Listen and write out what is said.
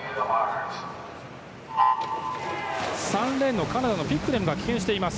３レーンのカナダのピックレムが棄権しています。